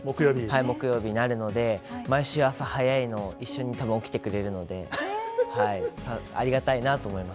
はい、木曜日、なるので、毎週朝早いの、一緒にたぶん、起きてくれるので、ありがたいなと思います。